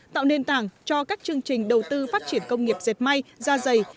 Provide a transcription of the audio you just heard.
tạo nền tảng cho các chương trình đầu tư phát triển công nghiệp dệt may da dày